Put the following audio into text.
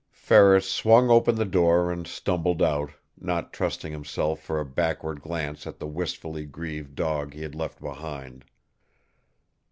Ferris swung open the door and stumbled out, not trusting himself for a backward glance at the wistfully grieved dog he had left behind.